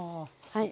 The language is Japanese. はい。